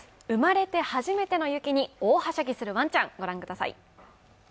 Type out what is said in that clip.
生まれて初めての雪に大はしゃぎするわんちゃん。